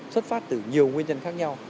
xuất phát từ nhiều nguyên nhân khác nhau